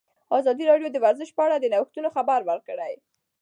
ازادي راډیو د ورزش په اړه د نوښتونو خبر ورکړی.